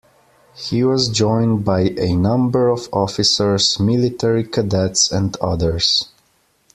He was joined by a number of officers, military cadets and others.